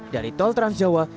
dari tol trans jawa